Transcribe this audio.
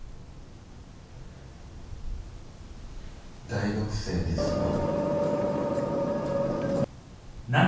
大学生ですか？